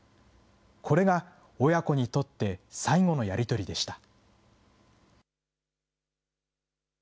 これが親子にとって、最後のやり取りでした。